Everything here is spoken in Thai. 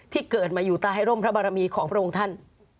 เกิดมาอยู่ใต้ร่มพระบารมีของพระองค์ท่าน